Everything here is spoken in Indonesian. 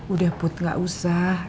udah put gak usah